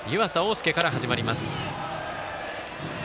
翼から始まります。